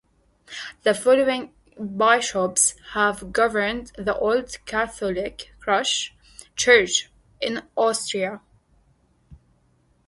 The following bishops have governed the Old Catholic Church in Austria.